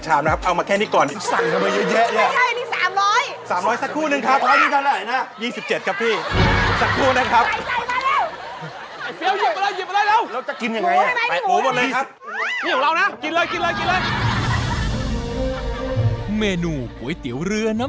อันนี้เดี๋ยว